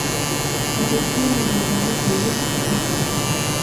فتح خان او رابعه زموږ د تاریخ برخه ده.